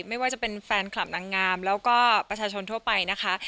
ไม่ว่าจะเป็นแฟนคลับนางงามแล้วก็ประชาชนทั่วไปนะคะ